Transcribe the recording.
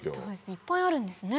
いっぱいあるんですね。